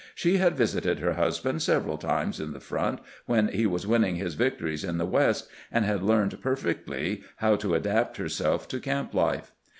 She had visited her husband several times at the front when he was winning his victories in the West, and had learned per fectly how to adapt herself to camp life.